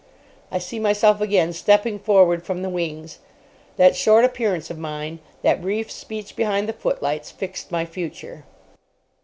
I see myself again stepping forward from the wings. That short appearance of mine, that brief speech behind the footlights fixed my future....